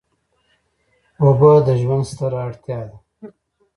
اوبه د ژوند ستره اړتیا ده.